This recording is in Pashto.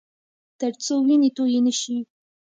ترڅو وینې تویې نه شي